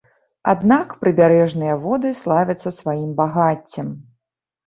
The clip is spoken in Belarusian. Аднак прыбярэжныя воды славяцца сваім багаццем.